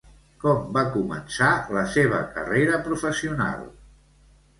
Com va començar la seva carrera professional?